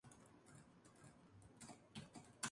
La germinación es pobre a sol pleno.